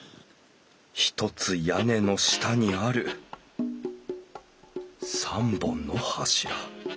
ひとつ屋根の下にある３本の柱。